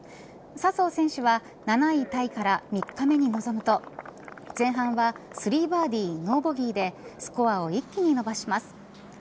笹生選手は７位タイから３日目に臨むと前半は３バーディー、ノーボギーでスコアを一気に伸ばします。